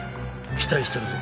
期待してるぞ。